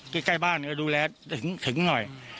ใกล้บ้านก็ดูแลถึงหน่อย